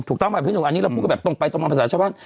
ถูกต้องเอ่อพี่หนุ่มอันนี้เราพูดแบบตรงไปตรงไปประสาทใช่ปะ